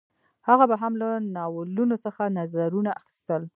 هغه به هم له ناولونو څخه نظرونه اخیستل